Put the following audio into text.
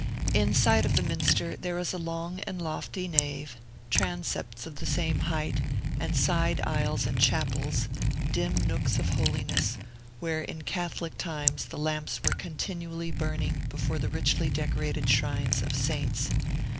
Inside of the minster there is a long and lofty nave, transepts of the same height, and side aisles and chapels, dim nooks of holiness, where in Catholic times the lamps were continually burning before the richly decorated shrines of saints.